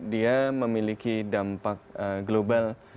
dia memiliki dampak global